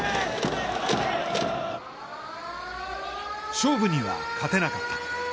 勝負には勝てなかった。